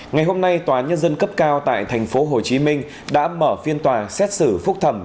ngày hôm nay tòa nhân dân cấp cao tại tp hcm đã mở phiên tòa xét xử phúc thẩm